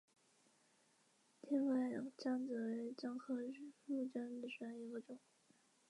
雷德尔因为在战争爆发之初已有高级职位。